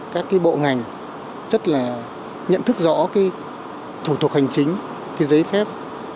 các cái bộ ngành rất là nhận thức rõ cái thủ tục hành chính cái giấy phép